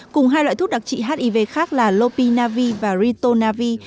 cùng hai loại thuốc đặc trị hiv khác là lopinavir và ritonavir